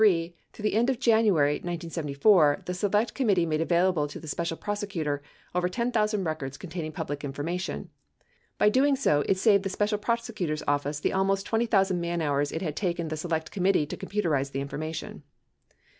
through the end of January 1974, the Select Committee made available to the Special Prosecutor over 10,000 records containing public information. By doing so, it saved the Special Prosecutor's Office the almost 20,000 man hours it had taken the Select Committee to computerize the information.